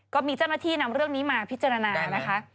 ก็มีเจ้าหน้าที่นำเรื่องนี้มาพิจารณานะคะ